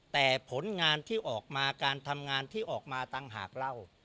แต่ผลงานที่ออกมาการทำงานที่ออกมาต่างหากเล่า